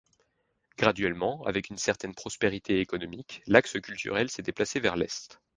Graduellement, avec une certaine prospérité économique, l’axe culturel s’est déplacé vers l’est.